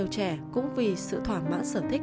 trẻ cũng vì sự thoả mã sở thích